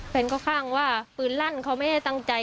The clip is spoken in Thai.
แฟนก็ข้างว่าปืนลั่นเขาไม่ได้ตั้งใจ